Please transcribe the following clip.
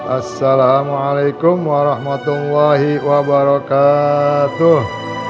assalamualaikum warahmatullahi wabarakatuh